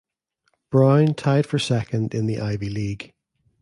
Brown tied for second in the Ivy League.